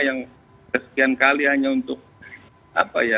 yang kesekian kali hanya untuk apa ya